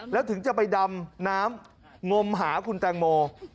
แล้วถึงจะไปดำน้ำงมหาคุณแตงโม